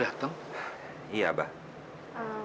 ya karena biasalah